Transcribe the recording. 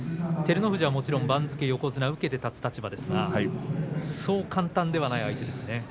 照ノ富士は、もちろん番付は横綱に受けて立つ立場ですがそう簡単ではない相手ですね。